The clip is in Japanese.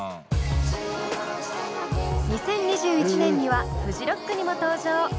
２０２１年にはフジロックにも登場。